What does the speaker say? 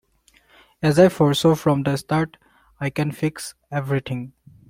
As I foresaw from the start, I can fix everything.